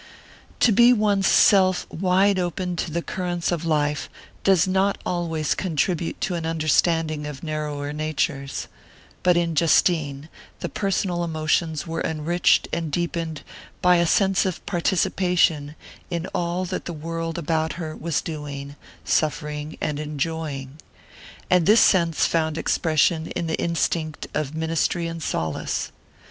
To be one's self wide open to the currents of life does not always contribute to an understanding of narrower natures; but in Justine the personal emotions were enriched and deepened by a sense of participation in all that the world about her was doing, suffering and enjoying; and this sense found expression in the instinct of ministry and solace.